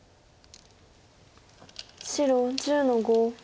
白１０の五。